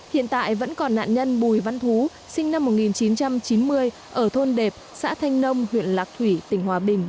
hiện tại vẫn còn nạn nhân bùi văn thú sinh năm một nghìn chín trăm chín mươi ở thôn đẹp xã thanh nông huyện lạc thủy tỉnh hòa bình